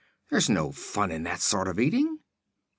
There's no fun in that sort of eating."